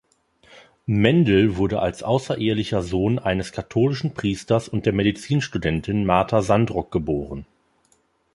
Mendl wurde als außerehelicher Sohn eines katholischen Priesters und der Medizinstudentin Martha Sandrock geboren.